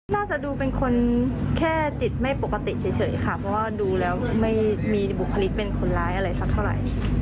น่าจะดูเป็นคนแค่จิตไม่ปกติเฉยค่ะเพราะว่าดูแล้วไม่มีบุคลิกเป็นคนร้ายอะไรสักเท่าไหร่